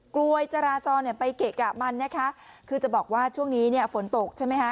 กลัวจราจรเนี่ยไปเกะกะมันนะคะคือจะบอกว่าช่วงนี้เนี่ยฝนตกใช่ไหมคะ